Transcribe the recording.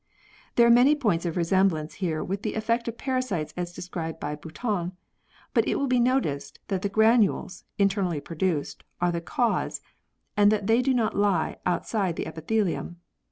There are many points of resemblance here with the eifect of parasites as described by Boutan, but it will be noticed that the granules (internally produced) are the cause, and that they do not lie outside the epithelium.